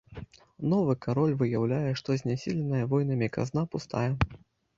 Новы кароль выяўляе, што знясіленая войнамі казна пустая.